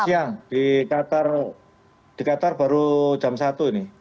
selamat siang di qatar baru jam satu nih